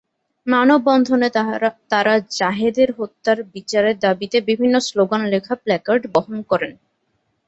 মানববন্ধনে তাঁরা জাহেদের হত্যার বিচারের দাবিতে বিভিন্ন স্লোগান লেখা প্ল্যাকার্ড বহন করেন।